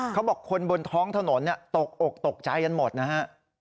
เขาบอกคนบนท้องถนนตกอกตกใจกันหมดนะฮะ